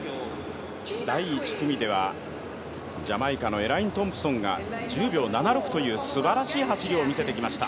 第１組では、ジャマイカのエレイン・トンプソンが１０秒７６という素晴らしい走りを見せてきました。